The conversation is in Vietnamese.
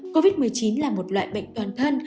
covid một mươi chín là một loại bệnh toàn thân